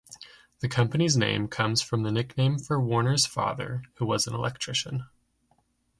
The company's name comes from the nickname for Warner's father, who was an electrician.